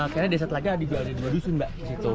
karena desa telaga ada dua dusun mbak disitu